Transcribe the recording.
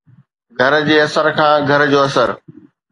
گھر جي اثر کان گھر جو اثر